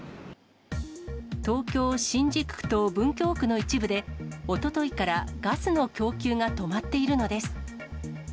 東京・新宿区と文京区の一部で、おとといからガスの供給が止まっているのです。